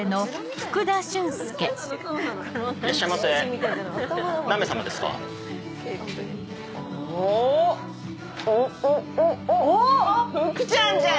福ちゃんじゃん。